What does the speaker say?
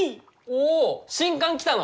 お新刊来たの！？